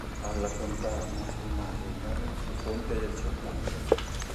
Alla fontana rimase il nome di Fonte del Centauro.